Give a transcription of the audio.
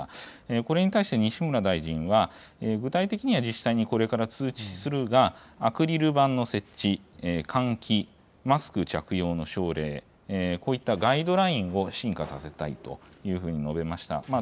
これに対して、西村大臣は具体的には自治体にこれから通知するが、アクリル板の設置、換気、マスク着用の奨励、こういったガイドラインをしんかさせたいというふうに述べました。